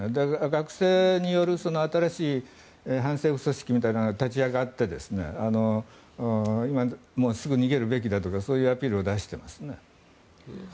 学生による新しい反政府組織みたいなのが立ち上がって今すぐ逃げるべきだとかそういうアピールを出していますね。